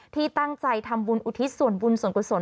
ที่ตั้งใจทำบุญอุทิศส่วนบุญส่วนกุศล